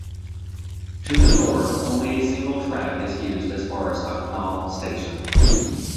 To the north, only a single track is used as far as Hucknall station.